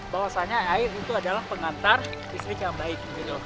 bahwasannya air itu adalah pengantar listrik yang baik